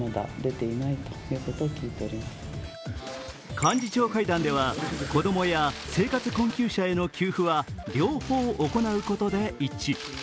幹事長会談では子供や生活困窮者への給付は両方行うことで一致。